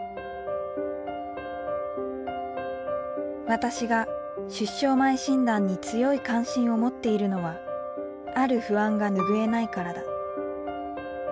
私が出生前診断に強い関心を持っているのはある不安が拭えないからだ。